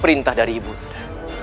perintah dari ibu nek